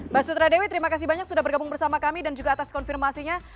mbak sutradewi terima kasih banyak sudah bergabung bersama kami dan juga atas konfirmasinya